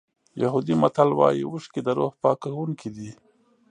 یهودي متل وایي اوښکې د روح پاکوونکي دي.